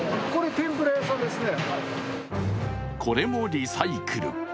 これもリサイクル。